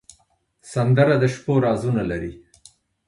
سندره د شپو رازونه لري